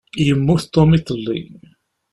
Yemmut Tom iḍelli.